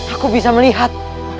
aku bisa melihat